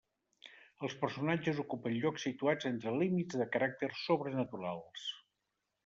Els personatges ocupen llocs situats entre límits de caràcter sobrenaturals.